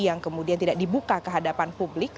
yang kemudian tidak dibuka ke hadapan publik